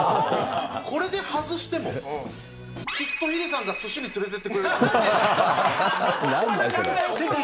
これで外しても、きっとヒデさんがすしに連れていってくれるはず。